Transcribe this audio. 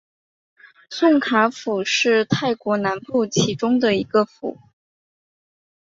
宋卡府是泰国南部其中的一个府。